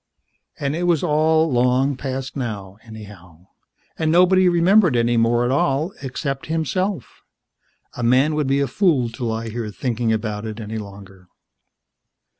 And it was all long past now, anyhow; and nobody remembered any more at all, except himself. A man would be a fool to lie here thinking about it any longer.